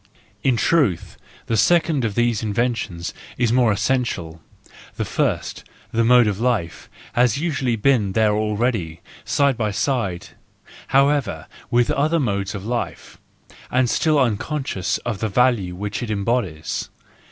In truth, the WE FEARLESS ONES 29s second of these inventions is the more essential: the first, the mode of life, has usually been there already, side by side, however, with other modes of life, and still unconscious of the value which it embodies.